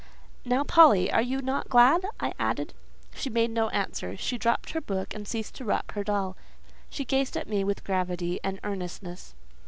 "Now, Polly, are you not glad?" I added. She made no answer. She dropped her book and ceased to rock her doll; she gazed at me with gravity and earnestness.